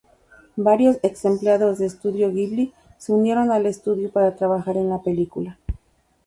Varios exempleados de Studio Ghibli se unieron al estudio para trabajar en la película.